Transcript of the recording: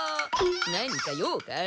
「何か用かい？」。